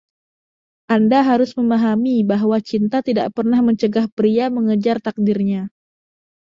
Anda harus memahami bahwa cinta tidak pernah mencegah pria mengejar takdirnya.